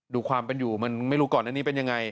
ดูความเป็นอยู่มันไม่รู้ก่อนอันนี้เป็นยังไง